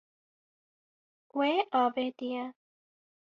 We avêtiye.